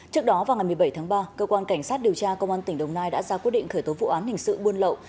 trước đó vào ngày một mươi bảy tháng ba cơ quan cảnh sát điều tra công an tỉnh đồng nai đã ra quyết định khởi tố vụ án hình sự buôn lậu